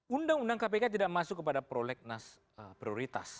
undang undang kpk tidak masuk kepada prolegnas prioritas